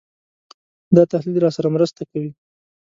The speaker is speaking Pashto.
دا تحلیل راسره مرسته کوي.